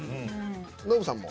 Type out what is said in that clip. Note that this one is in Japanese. ノブさんも？